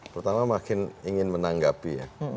pertama makin ingin menanggapi ya